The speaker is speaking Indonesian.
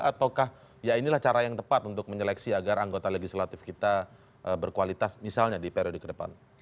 ataukah ya inilah cara yang tepat untuk menyeleksi agar anggota legislatif kita berkualitas misalnya di periode ke depan